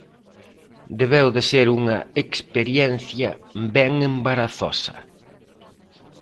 Debeu de ser unha experiencia ben embarazosa.